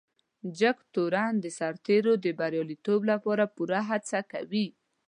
جګتورن د سرتیرو د بريالیتوب لپاره پوره هڅه کوي.